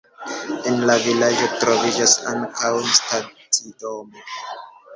En la vilaĝo troviĝas ankaŭ stacidomo.